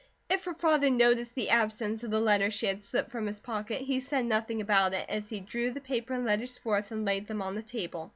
If her father noticed the absence of the letter she had slipped from his pocket he said nothing about it as he drew the paper and letters forth and laid them on the table.